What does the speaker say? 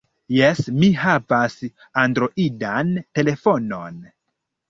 Jes, mi havas Androidan telefonon.